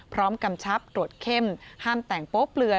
กำชับตรวจเข้มห้ามแต่งโป๊เปลือย